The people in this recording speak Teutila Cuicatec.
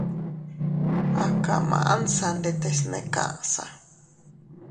A kamansa ndetes ne kaʼsa.